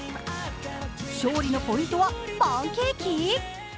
勝利のポイントは、パンケーキ？